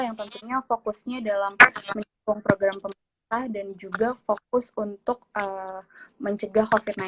yang tentunya fokusnya dalam mendukung program pemerintah dan juga fokus untuk mencegah covid sembilan belas